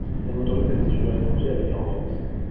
On autorise les étudiants étrangers à venir en France.